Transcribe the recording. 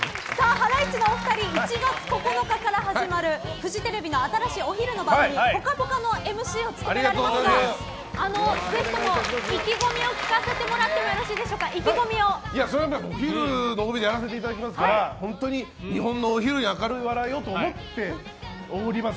ハライチのお二人１月９日から始まるフジテレビの新しいお昼の番組「ぽかぽか」のＭＣを務められますがぜひとも意気込みを聞かせてもらってもお昼の帯でやらせていただきますから本当に日本のお昼に明るい話題をと思っております。